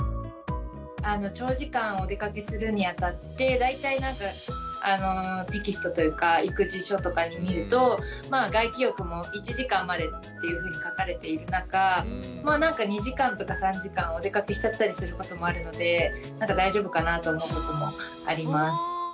長時間おでかけするにあたって大体テキストというか育児書とか見ると外気浴も１時間までっていうふうに書かれている中２時間とか３時間おでかけしちゃったりすることもあるので大丈夫かなと思うこともあります。